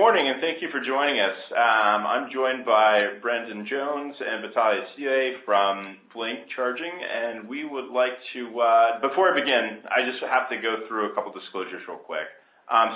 Good morning, and thank you for joining us. I'm joined by Brendan Jones and Vitalie Stelea from Blink Charging, and we would like to-- Before I begin, I just have to go through a couple disclosures real quick.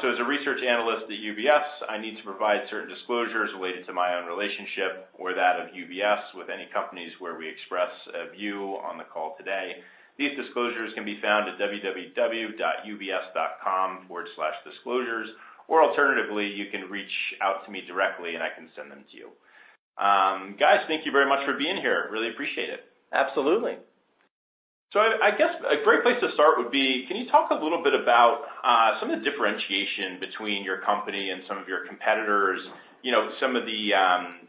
So as a research analyst at UBS, I need to provide certain disclosures related to my own relationship or that of UBS with any companies where we express a view on the call today. These disclosures can be found at www.ubs.com/disclosures, or alternatively, you can reach out to me directly, and I can send them to you. Guys, thank you very much for being here. Really appreciate it. Absolutely. So I guess a great place to start would be, can you talk a little bit about some of the differentiation between your company and some of your competitors? You know, some of the,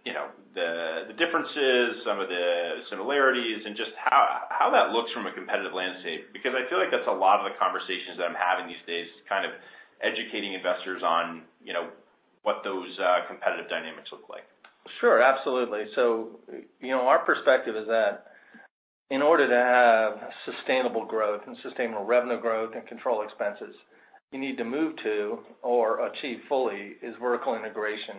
you know, the, the differences, some of the similarities, and just how, how that looks from a competitive landscape. Because I feel like that's a lot of the conversations that I'm having these days, kind of educating investors on, you know, what those competitive dynamics look like. Sure, absolutely. So, you know, our perspective is that in order to have sustainable growth and sustainable revenue growth and control expenses, you need to move to or achieve fully is vertical integration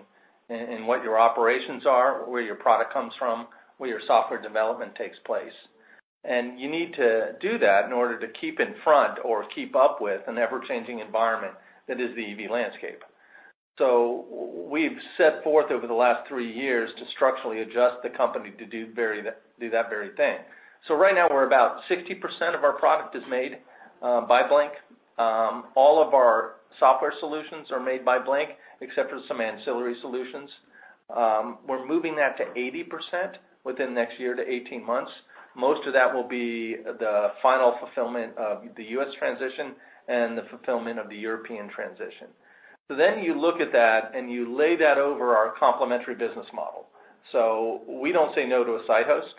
in what your operations are, where your product comes from, where your software development takes place. And you need to do that in order to keep in front or keep up with an ever-changing environment that is the EV landscape. So we've set forth over the last three years to structurally adjust the company to do that very thing. So right now we're about 60% of our product is made by Blink. All of our software solutions are made by Blink, except for some ancillary solutions. We're moving that to 80% within the next year to 18 months. Most of that will be the final fulfillment of the U.S. transition and the fulfillment of the European transition. So then you look at that, and you lay that over our complementary business model. So we don't say no to a site host,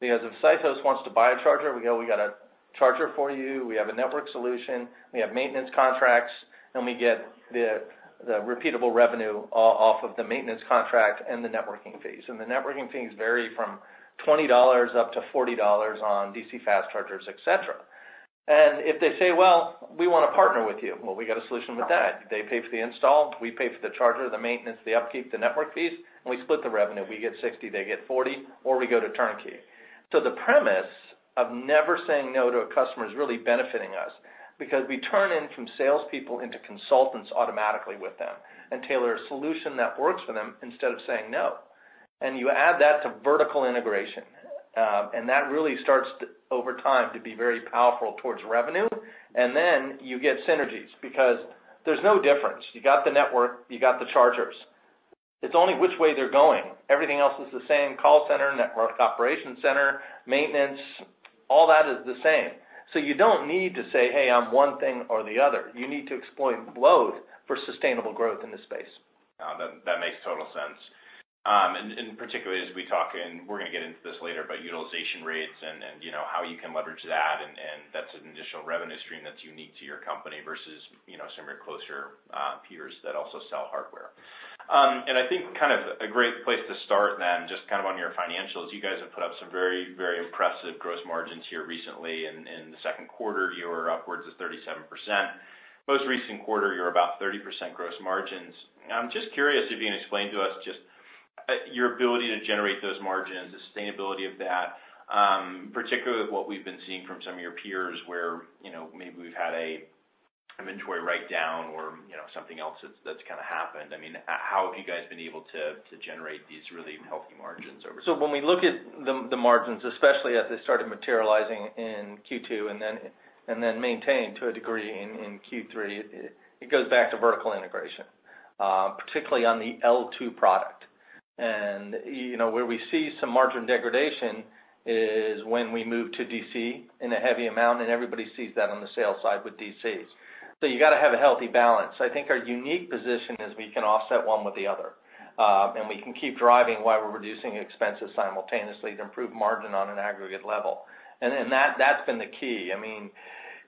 because if a site host wants to buy a charger, we go, "We got a charger for you, we have a network solution, we have maintenance contracts," and we get the repeatable revenue off of the maintenance contract and the networking fees. And the networking fees vary from $20-$40 on DC fast chargers, et cetera. And if they say, "Well, we wanna partner with you," well, we got a solution for that. They pay for the install, we pay for the charger, the maintenance, the upkeep, the network fees, and we split the revenue. We get 60, they get 40, or we go to turnkey. The premise of never saying no to a customer is really benefiting us because we turn in from salespeople into consultants automatically with them and tailor a solution that works for them instead of saying no. You add that to vertical integration, and that really starts to, over time, to be very powerful towards revenue. Then you get synergies because there's no difference. You got the network, you got the chargers. It's only which way they're going. Everything else is the same: call center, network operations center, maintenance, all that is the same. You don't need to say, "Hey, I'm one thing or the other." You need to exploit load for sustainable growth in this space. That makes total sense. Particularly as we talk, and we're gonna get into this later, but utilization rates and you know, how you can leverage that, and that's an additional revenue stream that's unique to your company versus, you know, some of your closer peers that also sell hardware. I think kind of a great place to start then, just kind of on your financials. You guys have put up some very, very impressive gross margins here recently. In the second quarter, you were upwards of 37%. Most recent quarter, you're about 30% gross margins. I'm just curious if you can explain to us just your ability to generate those margins, the sustainability of that, particularly with what we've been seeing from some of your peers where, you know, maybe we've had a inventory write-down or, you know, something else that's kinda happened. I mean, how have you guys been able to generate these really healthy margins over? So when we look at the margins, especially as they started materializing in Q2 and then maintained to a degree in Q3, it goes back to vertical integration, particularly on the L2 product. And, you know, where we see some margin degradation is when we move to DC in a heavy amount, and everybody sees that on the sales side with DCs. So you gotta have a healthy balance. I think our unique position is we can offset one with the other, and we can keep driving while we're reducing expenses simultaneously to improve margin on an aggregate level. And then, that's been the key. I mean,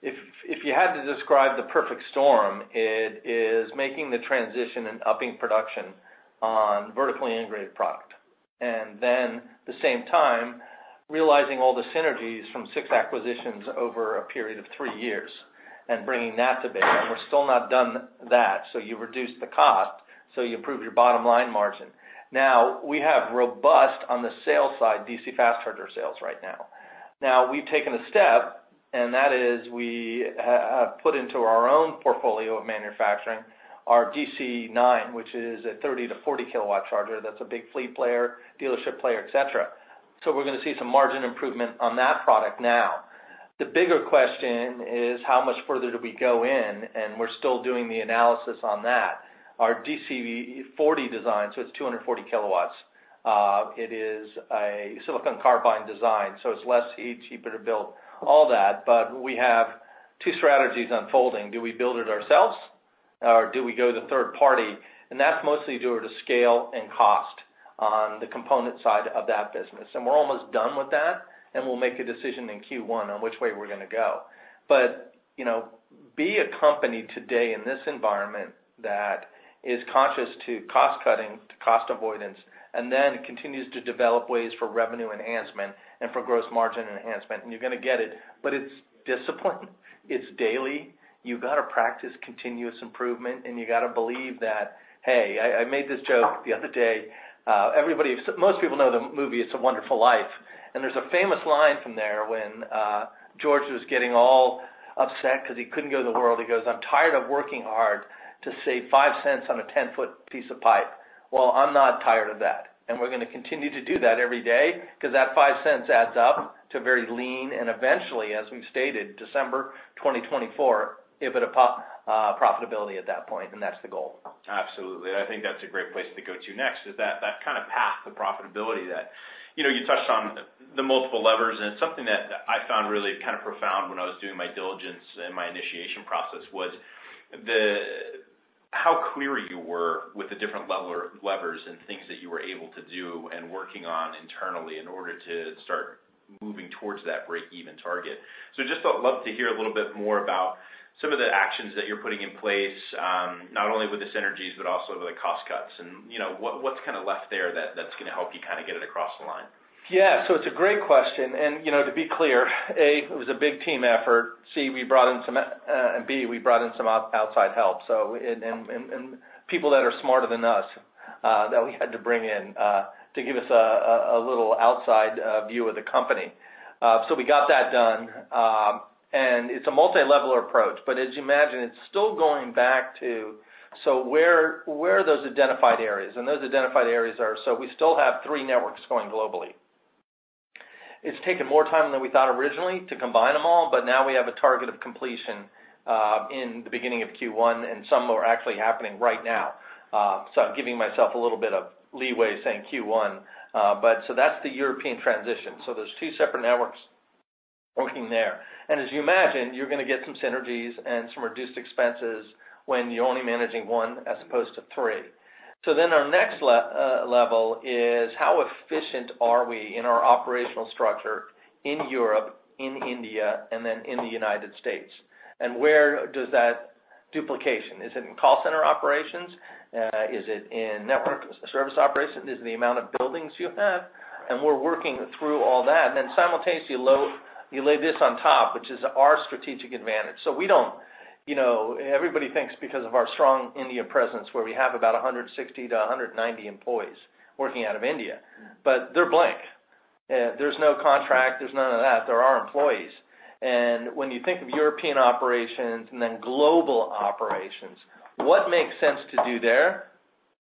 if you had to describe the perfect storm, it is making the transition and upping production on vertically integrated product, and then at the same time, realizing all the synergies from six acquisitions over a period of three years and bringing that to bear, and we're still not done that. So you reduce the cost, so you improve your bottom line margin. Now, we have robust, on the sales side, DC fast charger sales right now. Now, we've taken a step, and that is we put into our own portfolio of manufacturing our DC9, which is a 30kW-40 kW charger. That's a big fleet player, dealership player, et cetera. So we're gonna see some margin improvement on that product now. The bigger question is: how much further do we go in? And we're still doing the analysis on that. Our DC240 design, so it's 240 kW. It is a silicon carbide design, so it's less heat, cheaper to build, all that, but we have two strategies unfolding. Do we build it ourselves, or do we go to the third party? And that's mostly due to scale and cost on the component side of that business. And we're almost done with that, and we'll make a decision in Q1 on which way we're gonna go. But, you know, be a company today in this environment that is conscious to cost cutting, to cost avoidance, and then continues to develop ways for revenue enhancement and for gross margin enhancement, and you're gonna get it. But it's discipline, it's daily. You've got to practice continuous improvement, and you've got to believe that, hey, I, I made this joke the other day. Everybody, most people know the movie, It's a Wonderful Life, and there's a famous line from there when George was getting all upset because he couldn't go to the world. He goes: "I'm tired of working hard to save five cents on a 10-foot piece of pipe." Well, I'm not tired of that, and we're gonna continue to do that every day because that five cents adds up to very lean, and eventually, as we've stated, December 2024, EBITDA profitability at that point, and that's the goal. Absolutely. I think that's a great place to go to next, is that kind of path to profitability that, you know, you touched on the multiple levers. And something that I found really kind of profound when I was doing my diligence and my initiation process was the how clear you were with the different levers and things that you were able to do and working on internally in order to start moving towards that break-even target. So just I'd love to hear a little bit more about some of the actions that you're putting in place, not only with the synergies, but also with the cost cuts and, you know, what's kind of left there that's gonna help you kind of get it across the line? Yeah. So it's a great question, and, you know, to be clear, A, it was a big team effort, C, we brought in some, and B, we brought in some outside help, so and, and people that are smarter than us, that we had to bring in, to give us a little outside view of the company. So we got that done, and it's a multilevel approach, but as you imagine, it's still going back to so where are those identified areas? And those identified areas are: so we still have three networks going globally. It's taken more time than we thought originally to combine them all, but now we have a target of completion in the beginning of Q1, and some are actually happening right now. So I'm giving myself a little bit of leeway saying Q1, but so that's the European transition. So there's two separate networks working there. And as you imagine, you're gonna get some synergies and some reduced expenses when you're only managing one as opposed to three. So then our next level is, how efficient are we in our operational structure in Europe, in India, and then in the United States? And where does that duplication? Is it in call center operations? Is it in network service operations? Is it the amount of buildings you have? And we're working through all that. And then simultaneously, you lay this on top, which is our strategic advantage. So we don't. You know, everybody thinks because of our strong India presence, where we have about 160-190 employees working out of India, but they're Blink. There's no contract, there's none of that. They're our employees. When you think of European operations and then global operations, what makes sense to do there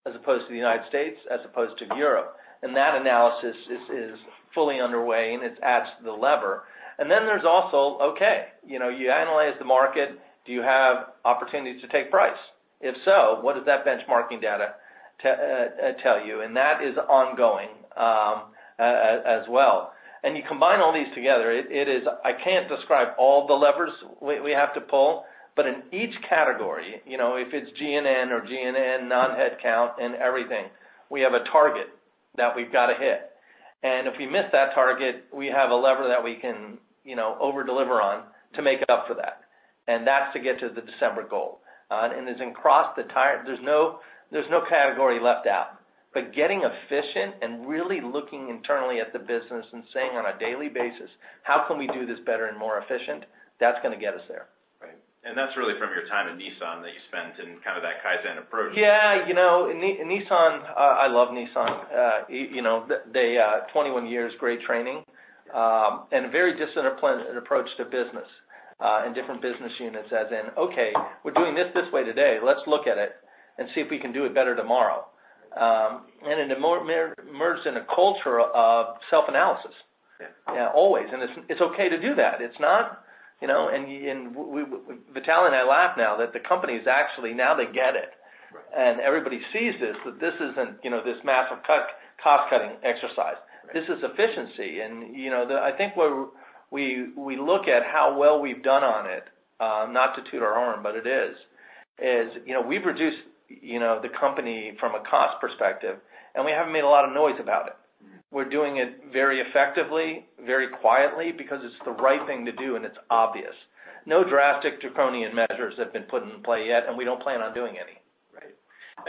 as opposed to the United States, as opposed to Europe? That analysis is fully underway, and it's at the lever. Then there's also, okay, you know, you analyze the market. Do you have opportunities to take price? If so, what does that benchmarking data tell you? That is ongoing, as well. You combine all these together, it is, I can't describe all the levers we have to pull, but in each category, you know, if it's G&A or G&A, non-headcount, and everything, we have a target that we've got to hit. And if we miss that target, we have a lever that we can, you know, over-deliver on to make up for that, and that's to get to the December goal. And as in across the entire... There's no category left out. But getting efficient and really looking internally at the business and saying on a daily basis, "How can we do this better and more efficient?" That's gonna get us there. Right. That's really from your time at Nissan, that you spent in kind of that Kaizen approach. Yeah. You know, Nissan, I love Nissan. You know, they, 21 years, great training, and a very disciplined approach to business, and different business units. As in, "Okay, we're doing this, this way today. Let's look at it and see if we can do it better tomorrow." And it emerged in a culture of self-analysis. Yeah. Yeah, always. And it's okay to do that. It's not, you know... And we, Vitalie and I laugh now, that the company is actually, now they get it. Right. Everybody sees this, that this isn't, you know, this massive cost-cutting exercise. Right. This is efficiency. You know, I think where we look at how well we've done on it, not to toot our own horn, but it is, you know, we've reduced, you know, the company from a cost perspective, and we haven't made a lot of noise about it. Mm-hmm. We're doing it very effectively, very quietly, because it's the right thing to do, and it's obvious. No drastic draconian measures have been put in play yet, and we don't plan on doing any.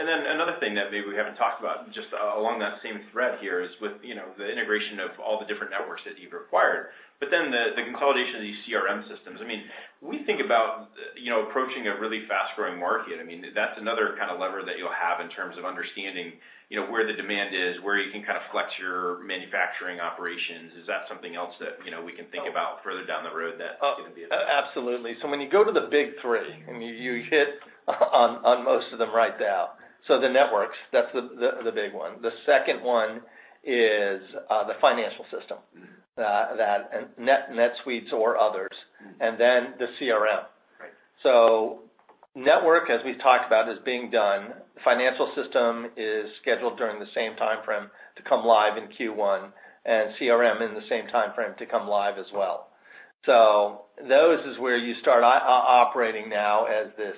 Right. And then another thing that maybe we haven't talked about, just, along that same thread here, is with, you know, the integration of all the different networks that you've acquired, but then the consolidation of these CRM systems. I mean, we think about, you know, approaching a really fast-growing market. I mean, that's another kind of lever that you'll have in terms of understanding, you know, where the demand is, where you can kind of flex your manufacturing operations. Is that something else that, you know, we can think about further down the road that is gonna be- Absolutely. So when you go to the big three, and you hit on most of them right now, so the networks, that's the big one. The second one is the financial system- Mm-hmm... that, NetSuite or others, and then the CRM. Right. So network, as we've talked about, is being done. Financial system is scheduled during the same time frame to come live in Q1, and CRM in the same time frame to come live as well. So those is where you start operating now as this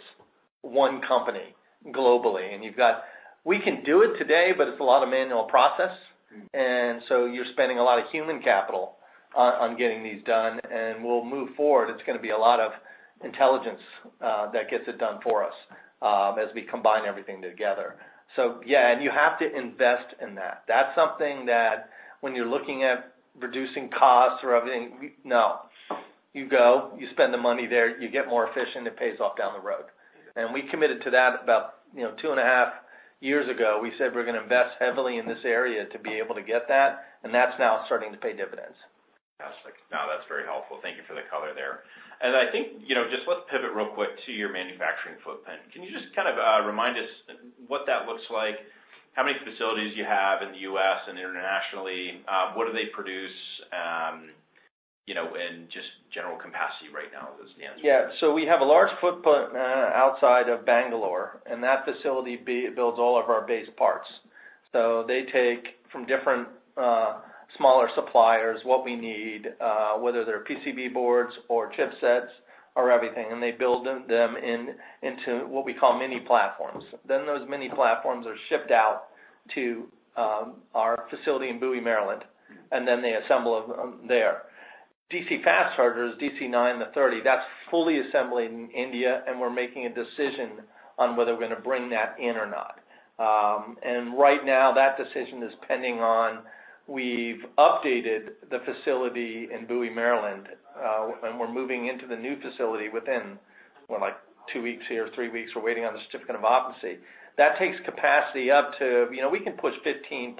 one company globally, and you've got-- We can do it today, but it's a lot of manual process. Mm-hmm. And so you're spending a lot of human capital on getting these done, and we'll move forward. It's gonna be a lot of intelligence that gets it done for us as we combine everything together. So yeah, and you have to invest in that. That's something that when you're looking at reducing costs or everything, we—no. You go, you spend the money there, you get more efficient, it pays off down the road. Mm-hmm. We committed to that about, you know, 2.5 years ago. We said we're gonna invest heavily in this area to be able to get that, and that's now starting to pay dividends. Got it. Now, that's very helpful. Thank you for the color there. And I think, you know, just let's pivot real quick to your manufacturing footprint. Can you just kind of remind us what that looks like? How many facilities you have in the U.S. and internationally? What do they produce, you know, and just general capacity right now as well? Yeah. So we have a large footprint outside of Bangalore, and that facility builds all of our base parts. So they take from different smaller suppliers what we need, whether they're PCB boards or chipsets or everything, and they build them into what we call mini platforms. Then those mini platforms are shipped out to our facility in Bowie, Maryland, and then they assemble them there. DC fast chargers, DC 9-30, that's fully assembled in India, and we're making a decision on whether we're gonna bring that in or not. And right now, that decision is pending on, we've updated the facility in Bowie, Maryland, and we're moving into the new facility within, well, like two weeks here, three weeks. We're waiting on the certificate of occupancy. That takes capacity up to, you know, we can push 15+,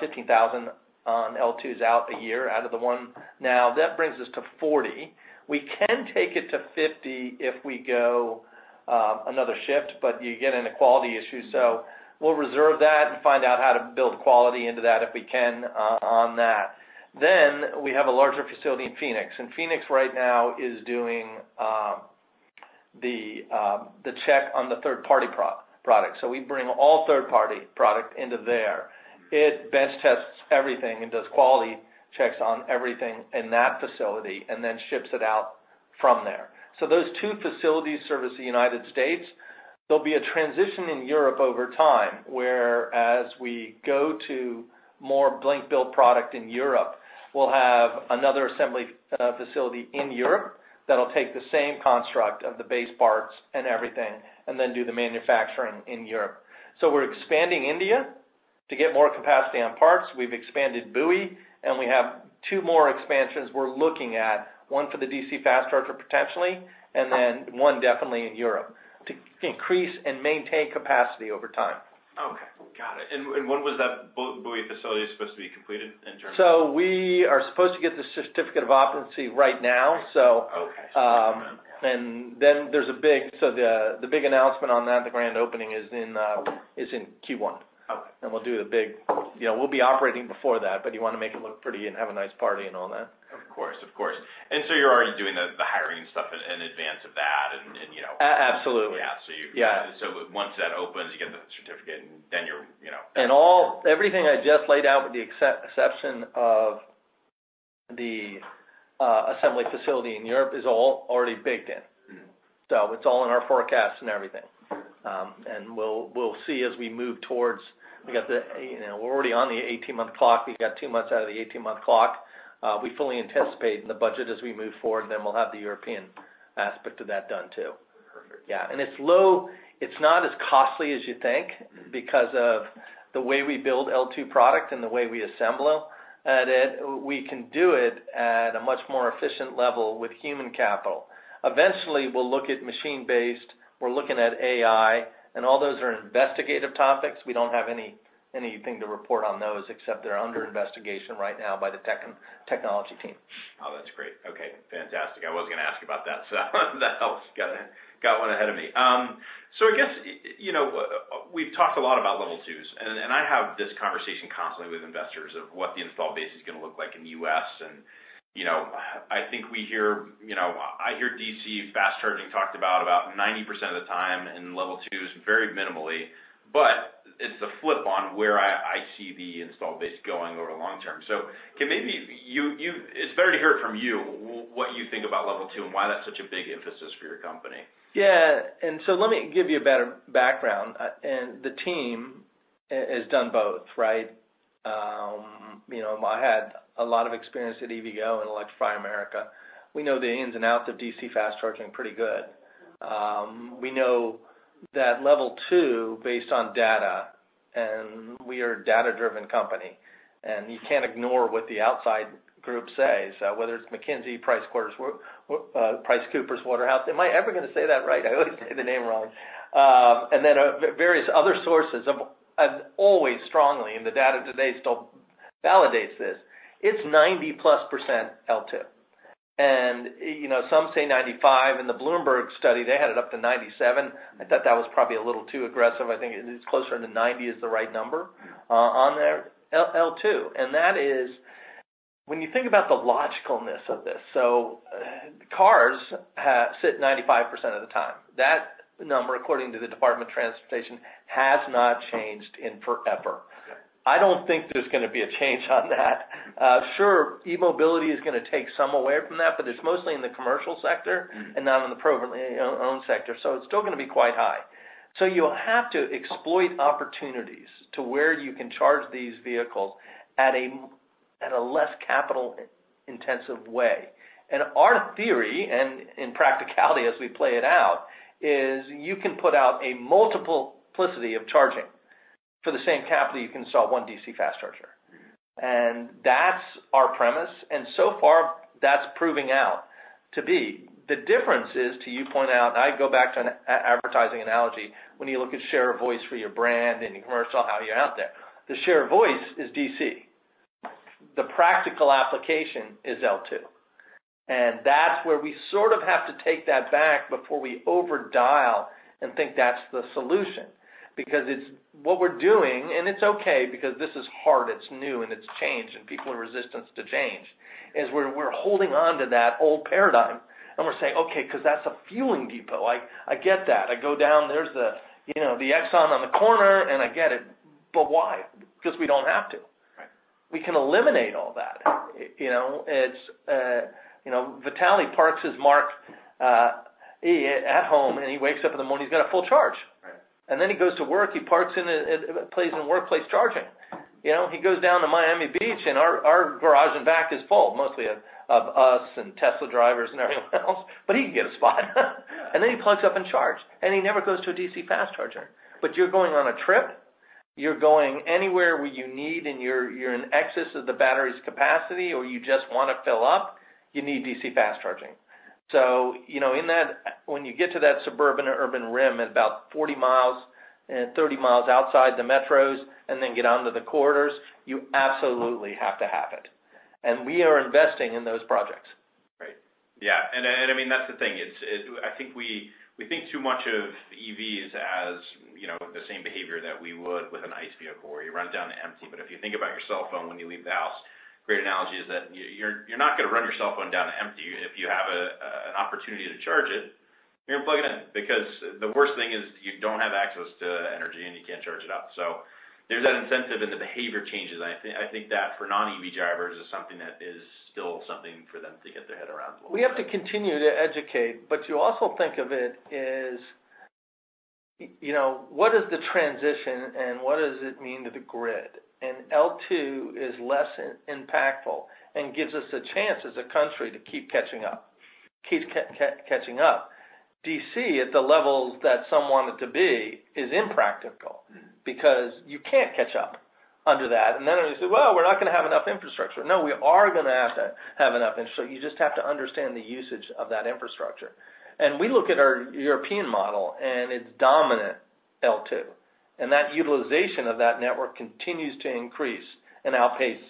15,000 L2s out a year out of the one. Now, that brings us to 40. We can take it to 50 if we go another shift, but you get into quality issues. So we'll reserve that and find out how to build quality into that if we can, on that. Then, we have a larger facility in Phoenix, and Phoenix right now is doing the check on the third-party product. So we bring all third-party product into there. It bench tests everything and does quality checks on everything in that facility, and then ships it out from there. So those two facilities service the United States. There'll be a transition in Europe over time, whereas we go to more Blink-built product in Europe, we'll have another assembly facility in Europe that'll take the same construct of the base parts and everything, and then do the manufacturing in Europe. So we're expanding in India to get more capacity on parts. We've expanded Bowie, and we have two more expansions we're looking at, one for the DC fast charger, potentially, and then one definitely in Europe, to increase and maintain capacity over time. Okay, got it. And when was that Bowie facility supposed to be completed in terms of- So we are supposed to get the certificate of occupancy right now, so- Okay. So the big announcement on that, the grand opening, is in Q1. Okay. We'll do the big... You know, we'll be operating before that, but you wanna make it look pretty and have a nice party and all that. Of course, of course. And so you're already doing the hiring stuff in advance of that, and you know- A- absolutely. Yeah, so you- Yeah. So once that opens, you get the certificate, then you're, you know— Everything I just laid out, with the exception of the assembly facility in Europe, is all already baked in. Mm-hmm. So it's all in our forecast and everything. And we'll see as we move towards—we've got the, you know, we're already on the 18-month clock. We've got two months out of the 18-month clock. We fully anticipate in the budget as we move forward, then we'll have the European aspect of that done, too. Perfect. Yeah, and it's not as costly as you think because of the way we build L2 product and the way we assemble them, and we can do it at a much more efficient level with human capital. Eventually, we'll look at machine-based. We're looking at AI, and all those are investigative topics. We don't have anything to report on those, except they're under investigation right now by the technology team. Oh, that's great. Okay, fantastic. I was gonna ask you about that, so that helps. Got it. Got one ahead of me. So I guess, you know, we've talked a lot about Level 2s, and I have this conversation constantly with investors of what the install base is gonna look like in the U.S. And, you know, I think we hear, you know, I hear DC fast charging talked about, about 90% of the time, and Level 2s very minimally, but it's a flip on where I see the install base going over long term. So can maybe you. It's better to hear it from you, what you think about Level 2, and why that's such a big emphasis for your company. Yeah, and so let me give you a better background. And the team has done both, right? You know, I had a lot of experience at EVgo and Electrify America. We know the ins and outs of DC fast charging pretty good. We know that Level 2, based on data, and we are a data-driven company, and you can't ignore what the outside group says, whether it's McKinsey, PricewaterhouseCoopers, am I ever gonna say that right? I always say the name wrong. And then, various other sources of, and always strongly, and the data today still validates this, it's 90%+ L2. You know, some say 95%, and the Bloomberg study, they had it up to 97%. I thought that was probably a little too aggressive. I think it's closer to 90 is the right number, on their L2, and that is... When you think about the logicalness of this, so, cars sit 95% of the time. That number, according to the Department of Transportation, has not changed in forever. Okay. I don't think there's gonna be a change on that. Sure, e-mobility is gonna take some away from that, but it's mostly in the commercial sector- Mm-hmm. - and not in the privately, you know, owned sector, so it's still gonna be quite high. So you'll have to exploit opportunities to where you can charge these vehicles at a less capital-intensive way. And our theory, and in practicality as we play it out, is you can put out a multiplicity of charging for the same capital, you can sell one DC fast charger. And that's our premise, and so far, that's proving out to be. The difference is, to your point out, I go back to an advertising analogy. When you look at share of voice for your brand and your commercial, how you're out there. The share of voice is DC. The practical application is L2, and that's where we sort of have to take that back before we over dial and think that's the solution. Because it's what we're doing, and it's okay because this is hard, it's new, and it's change, and people are resistant to change, is we're holding on to that old paradigm, and we're saying, "Okay, 'cause that's a fueling depot." I get that. I go down, there's the, you know, the Exxon on the corner, and I get it. But why? Because we don't have to. Right. We can eliminate all that. You know, it's, you know, Vitaly parks his Mach-E at home, and he wakes up in the morning, he's got a full charge. Right. And then he goes to work, he parks in a place in workplace charging. You know, he goes down to Miami Beach, and our garage in back is full, mostly of us and Tesla drivers and everyone else, but he can get a spot. Yeah. Then he plugs up and charges, and he never goes to a DC fast charger. But you're going on a trip, you're going anywhere where you need and you're, you're in excess of the battery's capacity, or you just want to fill up, you need DC fast charging. So you know, in that, when you get to that suburban or urban rim at about 40 miles and 30 miles outside the metros, and then get onto the corridors, you absolutely have to have it. And we are investing in those projects. Right. Yeah, and, and I mean, that's the thing. It's, it I think we, we think too much of EVs as, you know, the same behavior that we would with an ICE vehicle, where you run down to empty. But if you think about your cell phone when you leave the house, great analogy is that you're, you're not gonna run your cell phone down to empty. If you have a, an opportunity to charge it, you're gonna plug it in. Because the worst thing is you don't have access to energy, and you can't charge it up. So there's that incentive and the behavior changes. I think, I think that for non-EV drivers, is something that is still something for them to get their head around a little bit. We have to continue to educate, but you also think of it as, you know, what is the transition and what does it mean to the grid? And L2 is less impactful and gives us a chance as a country to keep catching up. Keep catching up. DC, at the levels that some want it to be, is impractical- Mm-hmm. Because you can't catch up under that. And then you say, "Well, we're not going to have enough infrastructure." No, we are gonna have to have enough infrastructure. You just have to understand the usage of that infrastructure. And we look at our European model, and it's dominant L2, and that utilization of that network continues to increase and outpace,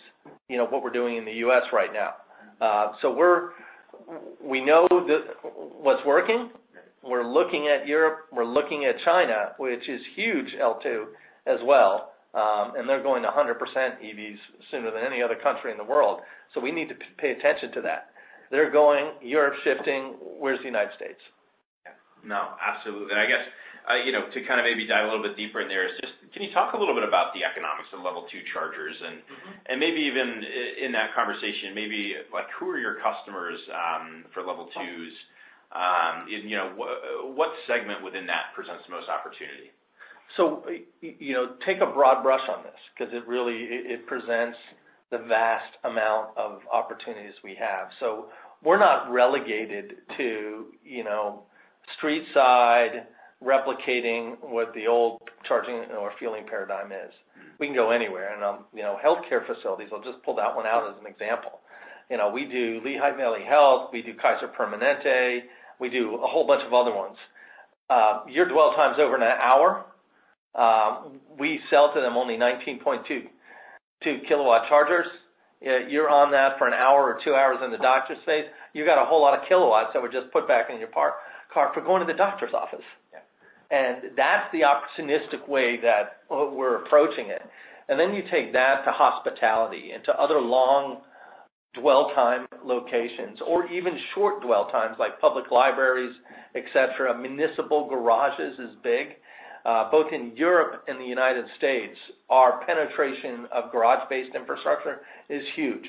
you know, what we're doing in the U.S. right now. So we're—we know that what's working, we're looking at Europe, we're looking at China, which is huge, L2, as well. And they're going 100% EVs sooner than any other country in the world. So we need to pay attention to that. They're going, Europe's shifting. Where's the United States? Yeah. No, absolutely. And I guess, you know, to kind of maybe dive a little bit deeper in there is just... Can you talk a little bit about the economics of Level 2 chargers? Mm-hmm. And maybe even in that conversation, maybe like, who are your customers for Level 2s? And you know, what segment within that presents the most opportunity? So, you know, take a broad brush on this because it really presents the vast amount of opportunities we have. So we're not relegated to, you know, street side, replicating what the old charging or fueling paradigm is. Mm-hmm. We can go anywhere. You know, healthcare facilities, I'll just pull that one out as an example. You know, we do Lehigh Valley Health, we do Kaiser Permanente, we do a whole bunch of other ones. Your dwell time's over in an hour, we sell to them only 19.2 kW chargers. You're on that for an hour or two hours in the doctor's space. You got a whole lot of kilowatts that were just put back in your car for going to the doctor's office. Yeah. That's the opportunistic way that we're approaching it. Then you take that to hospitality and to other long dwell time locations or even short dwell times, like public libraries, et cetera. Municipal garages is big both in Europe and the United States. Our penetration of garage-based infrastructure is huge,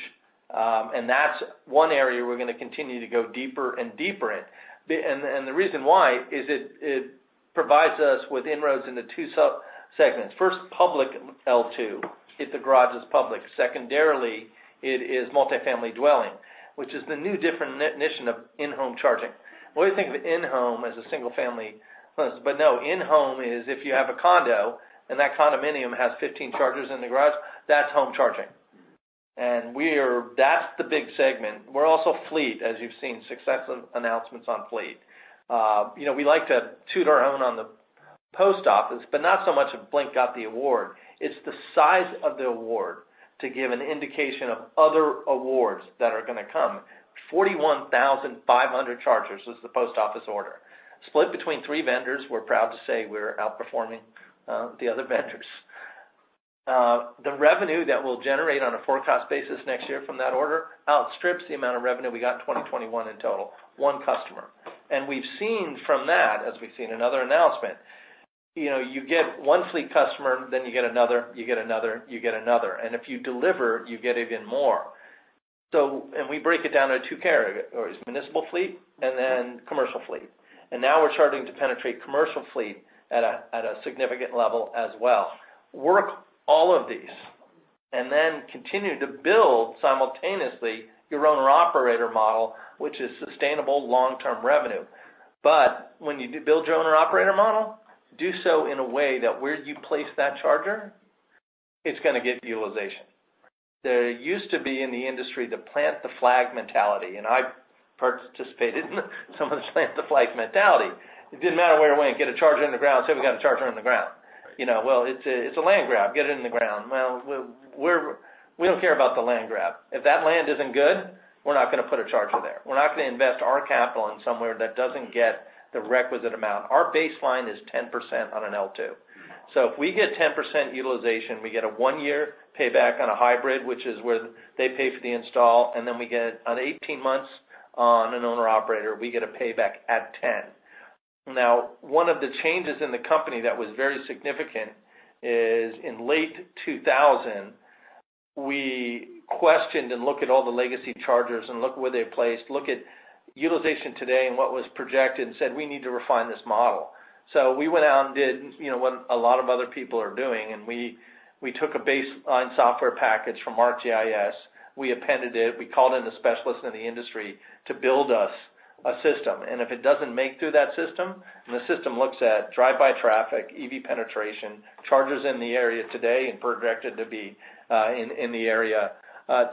and that's one area we're gonna continue to go deeper and deeper in. The reason why is it provides us with inroads into two sub-segments. First, public L2, if the garage is public. Secondarily, it is multifamily dwelling, which is the new definition of in-home charging. When we think of in-home as a single family, but no, in-home is if you have a condo and that condominium has 15 chargers in the garage, that's home charging. Mm-hmm. We are. That's the big segment. We're also fleet, as you've seen, success announcements on fleet. You know, we like to toot our own on the Post Office, but not so much if Blink got the award. It's the size of the award to give an indication of other awards that are gonna come. 41,500 chargers was the Post Office order. Split between three vendors, we're proud to say we're outperforming the other vendors. The revenue that we'll generate on a forecast basis next year from that order outstrips the amount of revenue we got in 2021 in total. One customer. We've seen from that, as we've seen another announcement. You know, you get one fleet customer, then you get another, you get another, you get another, and if you deliver, you get even more. So, and we break it down into two categories: municipal fleet and then commercial fleet. And now we're starting to penetrate commercial fleet at a, at a significant level as well and then continue to build simultaneously your owner-operator model, which is sustainable long-term revenue. But when you do build your owner-operator model, do so in a way that where you place that charger, it's gonna get utilization. There used to be in the industry, the plant-the-flag mentality, and I participated in some of the plant-the-flag mentality. It didn't matter where it went. Get a charger in the ground, say we got a charger in the ground. You know, well, it's a, it's a land grab. Get it in the ground. Well, we're. We don't care about the land grab. If that land isn't good, we're not gonna put a charger there. We're not gonna invest our capital in somewhere that doesn't get the requisite amount. Our baseline is 10% on an L2. So if we get 10% utilization, we get a 1-year payback on a hybrid, which is where they pay for the install, and then we get an 18 months on an owner-operator, we get a payback at 10. Now, one of the changes in the company that was very significant is, in late 2000, we questioned and looked at all the legacy chargers and looked where they placed, looked at utilization today and what was projected, and said, "We need to refine this model." So we went out and did, you know, what a lot of other people are doing, and we took a baseline software package from ArcGIS. We appended it, we called in the specialists in the industry to build us a system. And if it doesn't make through that system, and the system looks at drive-by traffic, EV penetration, chargers in the area today and projected to be in the area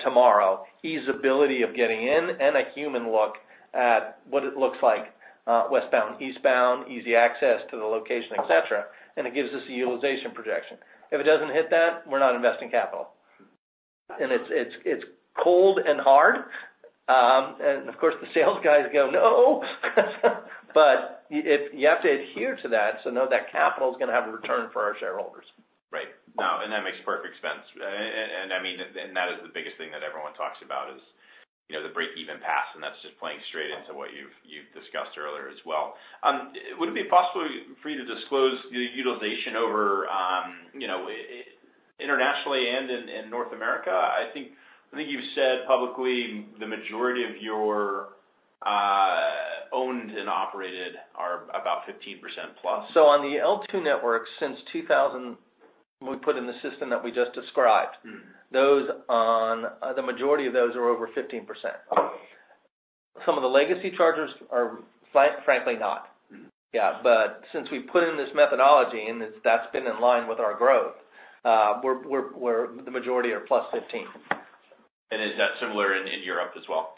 tomorrow, ease ability of getting in, and a human look at what it looks like westbound, eastbound, easy access to the location, et cetera, and it gives us a utilization projection. If it doesn't hit that, we're not investing capital. And it's cold and hard. And of course, the sales guys go, "No!" But you have to adhere to that, so know that capital is gonna have a return for our shareholders. Right. Now, and that makes perfect sense. And I mean, and that is the biggest thing that everyone talks about is, you know, the break-even path, and that's just playing straight into what you've discussed earlier as well. Would it be possible for you to disclose the utilization over, you know, internationally and in North America? I think you've said publicly, the majority of your owned and operated are about 15%+. On the L2 network, since 2000, we put in the system that we just described. Mm-hmm. The majority of those are over 15%. Some of the legacy chargers are, frankly, not. Mm-hmm. Yeah, but since we put in this methodology, and that's been in line with our growth, the majority are +15. Is that similar in Europe as well?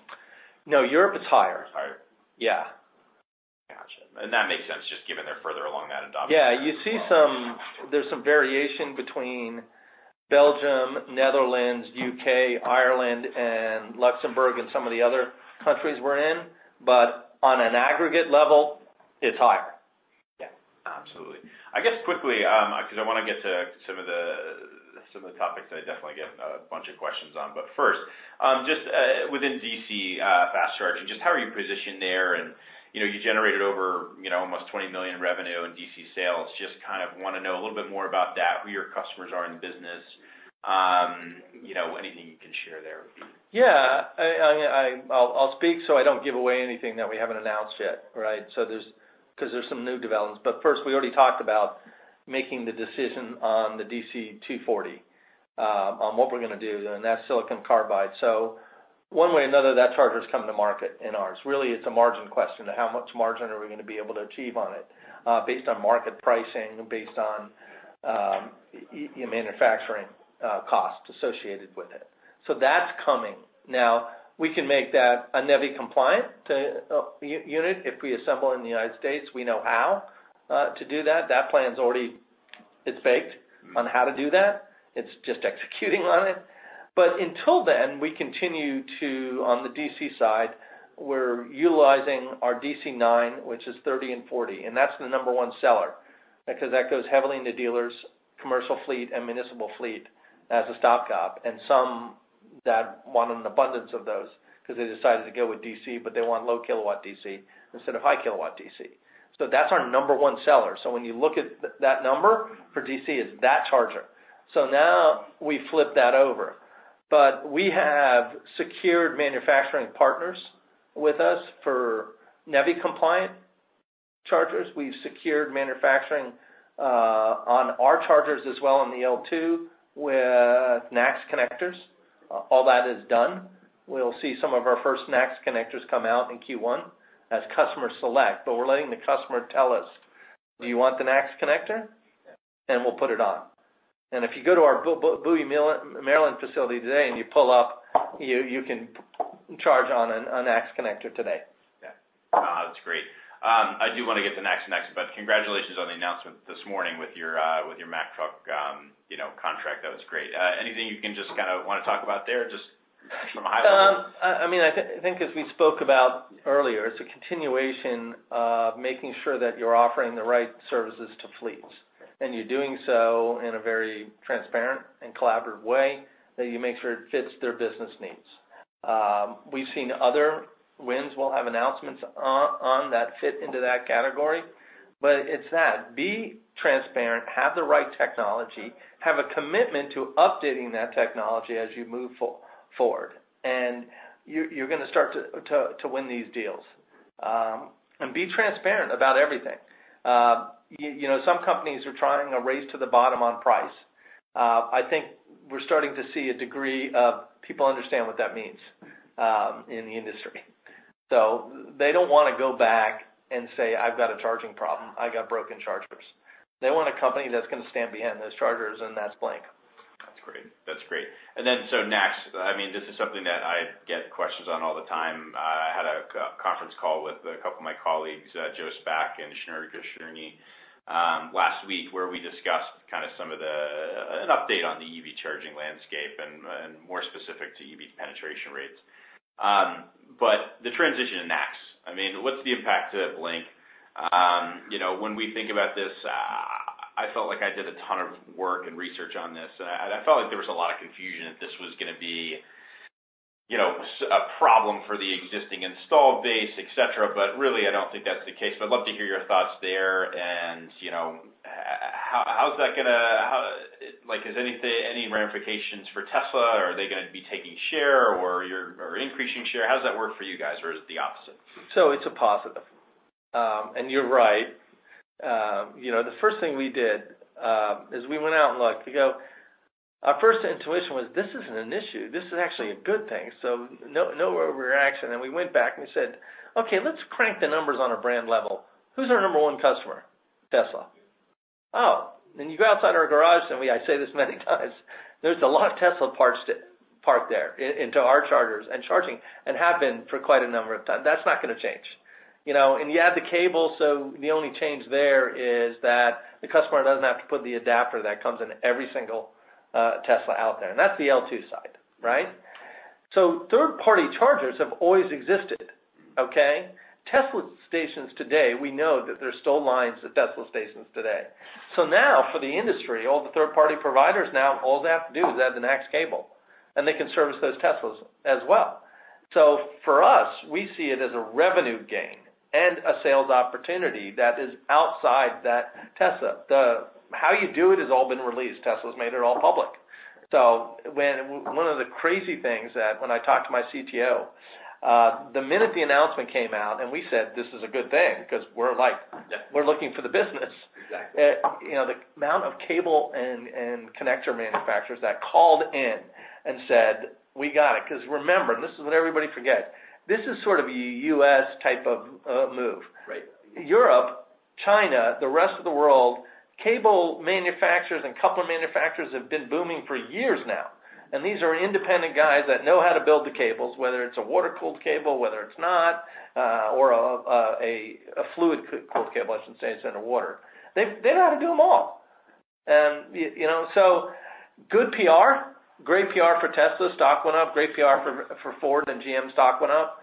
No, Europe is higher. Higher. Yeah. Gotcha. That makes sense, just given they're further along that adoption. Yeah, you see there's some variation between Belgium, Netherlands, UK, Ireland, and Luxembourg, and some of the other countries we're in, but on an aggregate level, it's higher. Yeah. Absolutely. I guess quickly, because I wanna get to some of the, some of the topics I definitely get a bunch of questions on. But first, just within DC fast charging, just how are you positioned there? And, you know, you generated over, you know, almost $20 million revenue in DC sales. Just kind of wanna know a little bit more about that, who your customers are in the business. You know, anything you can share there would be- Yeah. I'll speak, so I don't give away anything that we haven't announced yet, right? So there's some new developments because. But first, we already talked about making the decision on the DC 240 on what we're gonna do, and that's silicon carbide. So one way or another, that charger is coming to market in ours. Really, it's a margin question of how much margin are we gonna be able to achieve on it based on market pricing, based on manufacturing costs associated with it. So that's coming. Now, we can make that a NEVI-compliant unit. If we assemble in the United States, we know how to do that. That plan is already. It's baked- Mm. on how to do that. It's just executing on it. But until then, we continue to, on the DC side, we're utilizing our DC9, which is 30 and 40, and that's the number one seller because that goes heavily into dealers, commercial fleet, and municipal fleet as a stock up, and some that want an abundance of those because they decided to go with DC, but they want low kilowatt DC instead of high kilowatt DC. So that's our number one seller. So when you look at that number for DC, it's that charger. So now we flip that over. But we have secured manufacturing partners with us for NEVI compliant chargers. We've secured manufacturing on our chargers as well, on the L2, with NACS connectors. All that is done. We'll see some of our first NACS connectors come out in Q1 as customer select, but we're letting the customer tell us: Do you want the NACS connector? Then we'll put it on. And if you go to our Bowie, Maryland facility today, and you pull up, you can charge on a NACS connector today. Yeah. That's great. I do wanna get to NACS next, but congratulations on the announcement this morning with your Mack Trucks, you know, contract. That was great. Anything you can just kinda wanna talk about there, just from a high level? I mean, I think, as we spoke about earlier, it's a continuation of making sure that you're offering the right services to fleets, and you're doing so in a very transparent and collaborative way, that you make sure it fits their business needs. We've seen other wins. We'll have announcements on that fit into that category, but it's that: Be transparent, have the right technology, have a commitment to updating that technology as you move forward, and you're gonna start to win these deals. And be transparent about everything. You know, some companies are trying to race to the bottom on price. I think we're starting to see a degree of people understand what that means in the industry. So they don't wanna go back and say, "I've got a charging problem. I got broken chargers." They want a company that's gonna stand behind those chargers, and that's Blink. That's great. That's great. And then, so next, I mean, this is something that I get questions on all the time. I had a conference call with a couple of my colleagues, Joe Spak and Shneur Gershuni, last week, where we discussed kind of some of the an update on the EV charging landscape and, and more specific to EV penetration rates. But the transition to NACS, I mean, what's the impact to Blink? You know, when we think about this, I felt like I did a ton of work and research on this, and I, I felt like there was a lot of confusion that this was gonna be, you know, a problem for the existing installed base, et cetera, but really, I don't think that's the case. But I'd love to hear your thoughts there, and, you know, how is that gonna... How, like, is there any ramifications for Tesla, or are they gonna be taking share or increasing share? How does that work for you guys, or is it the opposite? So it's a positive. And you're right. You know, the first thing we did is we went out and looked. Our first intuition was, this isn't an issue. This is actually a good thing, so no, no overreaction. And we went back and we said, "Okay, let's crank the numbers on a brand level. Who's our number one customer?" Tesla. Oh, then you go outside our garage, and I say this many times, there's a lot of Teslas to park there, into our chargers and charging, and have been for quite a number of time. That's not gonna change, you know. And you add the cable, so the only change there is that the customer doesn't have to put the adapter that comes in every single Tesla out there, and that's the L2 side, right? So third-party chargers have always existed, okay? Tesla stations today, we know that there's still lines at Tesla stations today. So now for the industry, all the third-party providers now, all they have to do is add the NACS cable, and they can service those Teslas as well. So for us, we see it as a revenue gain and a sales opportunity that is outside that Tesla. The... How you do it has all been released. Tesla's made it all public. So one of the crazy things that, when I talked to my CTO, the minute the announcement came out and we said, "This is a good thing," 'cause we're like- Yeah We're looking for the business. Exactly. you know, the amount of cable and, and connector manufacturers that called in and said, "We got it." 'Cause remember, this is what everybody forgets, this is sort of a U.S. type of, move. Right. Europe, China, the rest of the world, cable manufacturers and coupler manufacturers have been booming for years now, and these are independent guys that know how to build the cables, whether it's a water-cooled cable, whether it's not, or a fluid-cooled cable, I should say, instead of water. They know how to do them all. And you know, so good PR, great PR for Tesla. Stock went up. Great PR for Ford and GM, stock went up,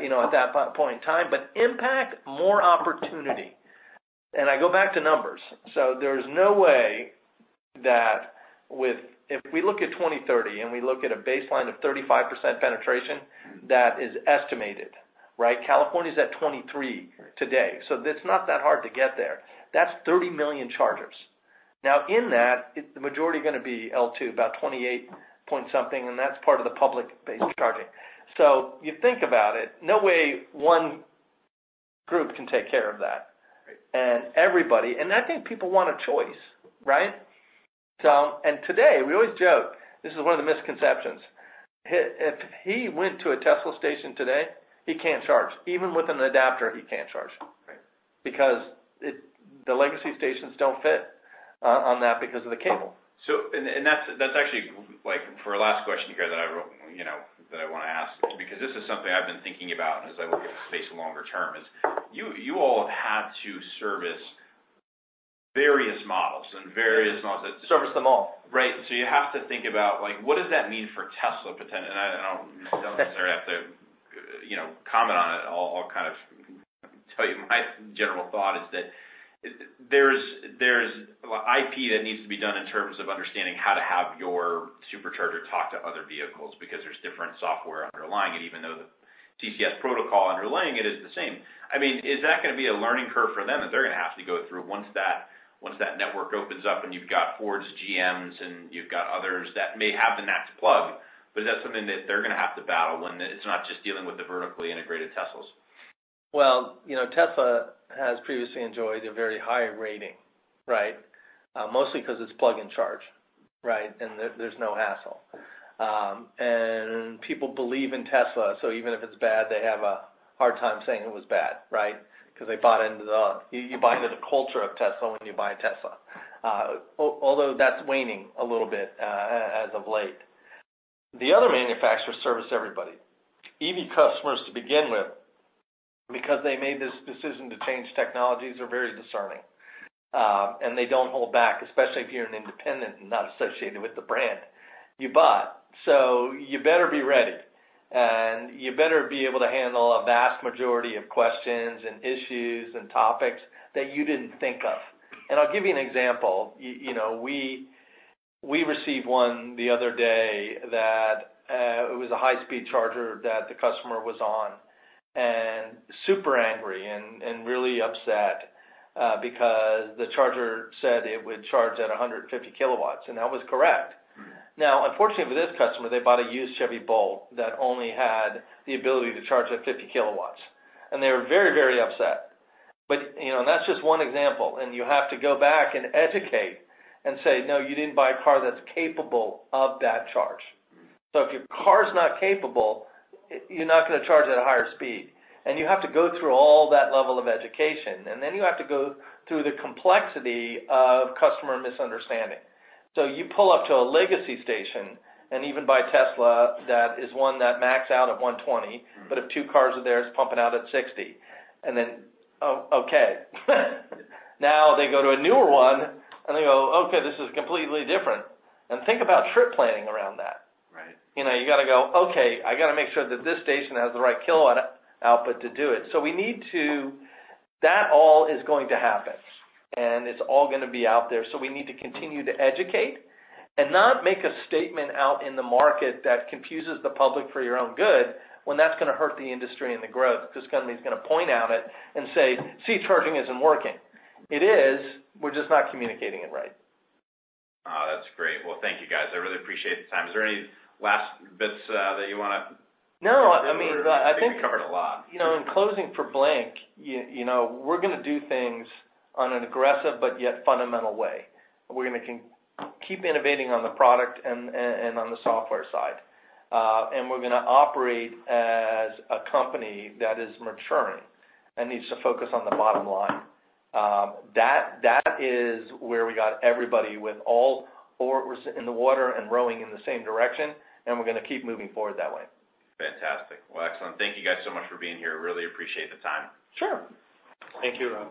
you know, at that point in time. But impact, more opportunity. And I go back to numbers. So there's no way that with if we look at 2030, and we look at a baseline of 35% penetration, that is estimated, right? California is at 23%- Right today, so it's not that hard to get there. That's 30 million chargers. Now, in that, the majority are gonna be L2, about 28 point something, and that's part of the public-based charging. So you think about it, no way one group can take care of that. Right. Everybody... I think people want a choice, right? So, and today, we always joke, this is one of the misconceptions. If he went to a Tesla station today, he can't charge. Even with an adapter, he can't charge- Right because it, the legacy stations don't fit on that because of the cable. That's actually, like, for a last question here that I wrote, you know, that I wanna ask, because this is something I've been thinking about as I look at the space longer term, is you, you all have had to service various models and various models that- Service them all. Right. So you have to think about, like, what does that mean for Tesla potentially? And I, I don't- Yes... necessarily have to, you know, comment on it. I'll kind of tell you my general thought is that there's IP that needs to be done in terms of understanding how to have your supercharger talk to other vehicles, because there's different software underlying it, even though the CCS protocol underlying it is the same. I mean, is that gonna be a learning curve for them, that they're gonna have to go through once that network opens up and you've got Fords, GMs, and you've got others that may have the NACS plug? But is that something that they're gonna have to battle when it's not just dealing with the vertically integrated Teslas? Well, you know, Tesla has previously enjoyed a very high rating, right? Mostly because it's plug and charge, right? And there, there's no hassle. And people believe in Tesla, so even if it's bad, they have a hard time saying it was bad, right? Because they bought into you buy into the culture of Tesla when you buy a Tesla. Although that's waning a little bit, as of late. The other manufacturers service everybody. EV customers, to begin with, because they made this decision to change technologies, are very discerning, and they don't hold back, especially if you're an independent and not associated with the brand you bought. So you better be ready, and you better be able to handle a vast majority of questions and issues and topics that you didn't think of. I'll give you an example. You know, we received one the other day that it was a high-speed charger that the customer was on, and super angry and really upset, because the charger said it would charge at 150 kilowatts, and that was correct. Now, unfortunately for this customer, they bought a used Chevy Bolt that only had the ability to charge at 50 kilowatts, and they were very, very upset. But you know, and that's just one example, and you have to go back and educate and say, "No, you didn't buy a car that's capable of that charge." So if your car's not capable, you're not gonna charge at a higher speed, and you have to go through all that level of education. And then you have to go through the complexity of customer misunderstanding. So you pull up to a legacy station, and even by Tesla, that is one that max out at 120, but if two cars are there, it's pumping out at 60. And then, oh, okay. Now they go to a newer one, and they go, "Okay, this is completely different." And think about trip planning around that. Right. You know, you gotta go, "Okay, I gotta make sure that this station has the right kilowatt output to do it." So we need to. That all is going to happen, and it's all gonna be out there. So we need to continue to educate and not make a statement out in the market that confuses the public for your own good, when that's gonna hurt the industry and the growth, because companies are gonna point out it and say, "See, charging isn't working." It is, we're just not communicating it right. Oh, that's great. Well, thank you, guys. I really appreciate the time. Is there any last bits that you wanna- No, I mean, I think- You covered a lot. You know, in closing for Blink, you know, we're gonna do things on an aggressive but yet fundamental way. We're gonna keep innovating on the product and on the software side. And we're gonna operate as a company that is maturing and needs to focus on the bottom line. That is where we got everybody with all oars in the water and rowing in the same direction, and we're gonna keep moving forward that way. Fantastic. Well, excellent. Thank you guys so much for being here. Really appreciate the time. Sure. Thank you, Rob.